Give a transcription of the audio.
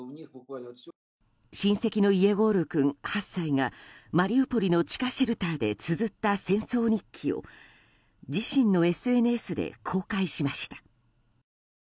親戚のイエゴール君、８歳がマリウポリの地下シェルターでつづった戦争日記を自身のＳＮＳで公開しました。